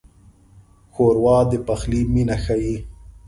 ښوروا د پخلي مینه ښيي.